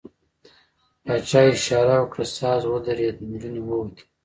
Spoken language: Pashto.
پاچا اشاره وکړه، ساز ودرېد، نجونې ووتې.